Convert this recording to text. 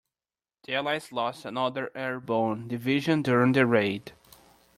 The allies lost another airborne division during the raid.